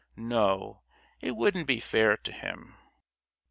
No, it wouldn't be fair to him."